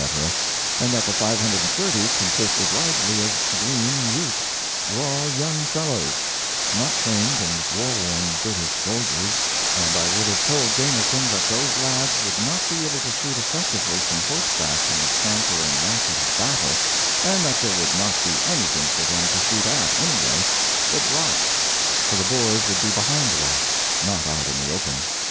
and that the 530 consisted largely of "green" youths, "raw young fellows," not trained and war worn British soldiers; and I would have told Jameson that those lads would not be able to shoot effectively from horseback in the scamper and racket of battle, and that there would not be anything for them to shoot at, anyway, but rocks; for the Boers would be behind the rocks, not out in the open.